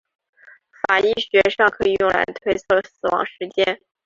法医学上可以用来推测死亡时间。